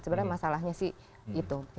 sebenarnya masalahnya sih itu